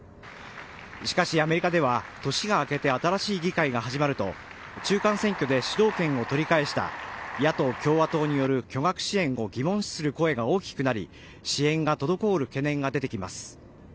しかしアメリカでは年が明けて新しい議会が始まると中間選挙で主導権を取り返した野党・共和党による巨額支援を疑問視する声が大きくなり支援が滞る懸念が出てきます。